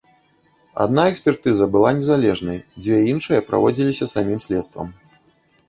Адна экспертыза была незалежнай, дзве іншыя праводзіліся самім следствам.